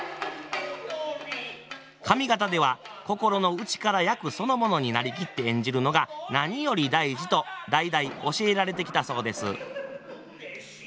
上方では心の内から役そのものに成りきって演じるのが何より大事と代々教えられてきたそうです。